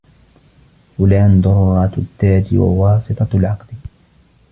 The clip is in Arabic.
فلان دُرَّةُ التاج وواسطة العقد